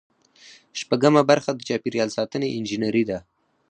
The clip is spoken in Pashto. شپږمه برخه د چاپیریال ساتنې انجنیری ده.